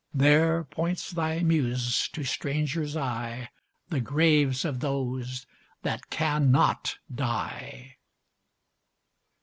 There points thy Muse to stranger's eye The graves of those that cannot die!